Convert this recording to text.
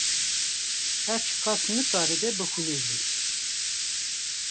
her çiqas nikaribe bixwîne jî